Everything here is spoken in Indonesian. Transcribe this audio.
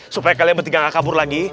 supaya kalian bertiga nggak kabur lagi